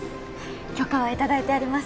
許可はいただいてあります